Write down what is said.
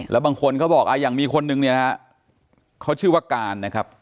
แล้วบางคนก็บอกอย่างมีคนนึงเขาชื่อว่าการนะครับ